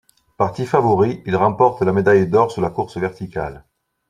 Parti favori, il remporte la médaille d'or sur la course verticale.